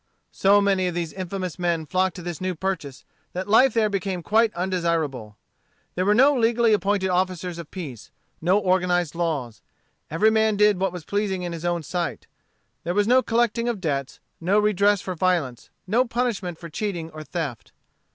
So many of these infamous men flocked to this New Purchase that life there became quite undesirable. There were no legally appointed officers of justice, no organized laws. Every man did what was pleasing in his own sight. There was no collecting of debts, no redress for violence, no punishment for cheating or theft.